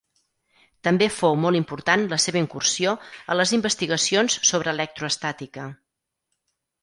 També fou molt important la seva incursió a les investigacions sobre electroestàtica.